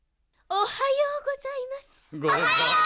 おはようございます！